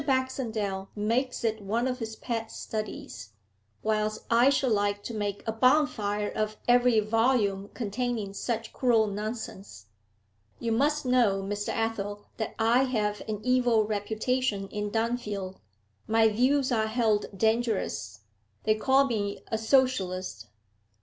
Baxendale makes it one of his pet studies, whilst I should like to make a bonfire of every volume containing such cruel nonsense. You must know, Mr. Athel, that I have an evil reputation in Dunfield; my views are held dangerous; they call me a socialist. Mr.